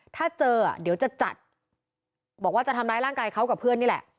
ถ้าเจอเดี๋ยวจะจัดบอกว่าจะทำร้ายร่างกายเขากับเพื่อนนี่แหละ